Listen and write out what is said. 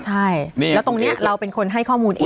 ใช่แล้วตรงนี้เราเป็นคนให้ข้อมูลเอง